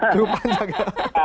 cukup panjang ya